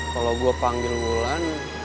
kalau gue panggil mulan